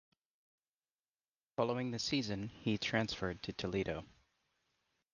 Following the season he transferred to Toledo.